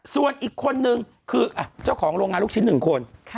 ส่วนอีกคนนึงคือเจ้าของโรงงานลูกชิ้น๑คน